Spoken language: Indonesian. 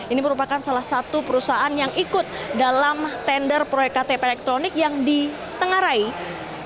ini merupakan salah satu perusahaan yang ikut dalam tender proyek ktp elektronik yang ditengarai dibuat atau pt murakabi sejahtera ini dibuat untuk bisa memenangkan konsorsium tertentu